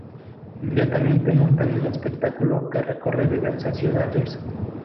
Inmediatamente montan un espectáculo que recorre diversas ciudades.